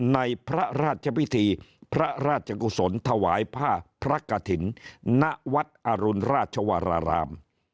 ในพระราชพิธีพระราชกุศลถวายผ้าพระกฐินณวัดอรุณราชวรราราม